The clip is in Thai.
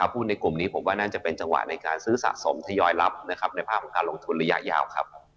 หุ้นในกลุ่มนี้ผมว่าน่าจะเป็นจังหวะในการซื้อสะสมทยอยรับนะครับในภาพของการลงทุนระยะยาวครับ